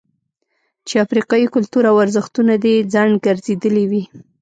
چې افریقايي کلتور او ارزښتونه دې خنډ ګرځېدلي وي.